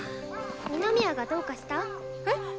二宮がどうかした？え？